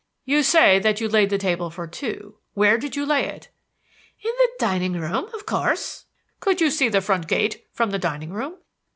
"You say that you laid the table for two. Where did you lay it?" "In the dining room, of course." "Could you see the front gate from the dining room?"